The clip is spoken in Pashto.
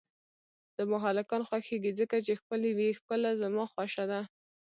زما هلکان خوښیږی ځکه چی ښکلی وی ښکله زما خوشه ده